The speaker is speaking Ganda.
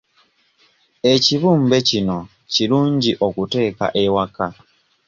Ekibumbe kino kirungi okuteeka ewaka.